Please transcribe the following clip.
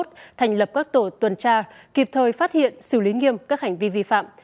thành lập các tổ tuần tra kịp thời phát hiện xử lý nghiêm các hành vi vi phạm